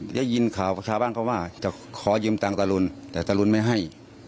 ได้ยินข่าวชาวบ้านว่าจะขอยืมเงินจากตรุณแต่ยังไม่ให้